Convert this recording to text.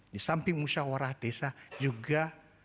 di samping musyawarah desa juga